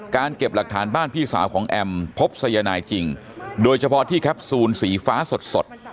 เก็บหลักฐานบ้านพี่สาวของแอมพบสายนายจริงโดยเฉพาะที่แคปซูลสีฟ้าสด